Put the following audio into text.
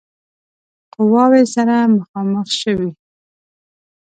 قواوې سره مخامخ شوې.